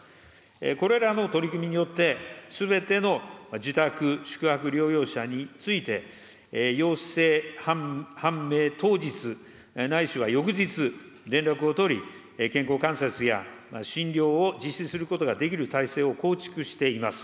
これらの取り組みによって、すべての自宅・宿泊療養者について、陽性判明当日ないしは翌日、連絡を取り、健康観察や診療を実施することができる体制を構築しています。